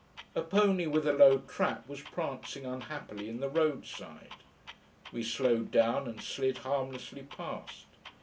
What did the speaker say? A pony with a low trap was prancing unhappily in the road side. We slowed down and slid harmlessly past.